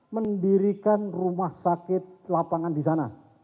mendirikan rumah sakit lapangan di sana